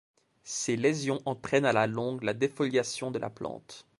Ces lésions entraînent à la longue la défoliation de la plante.